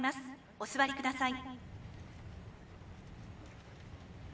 お座りください。